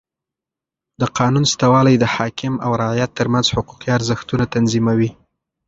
د قانون سته والى د حاکم او رعیت ترمنځ حقوقي ارزښتونه تنظیموي.